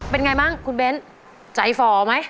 เป็นไงบ้างคุณเบ้นใจฝ่อไหม